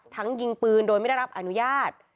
ยิงปืนโดยไม่ได้รับอนุญาต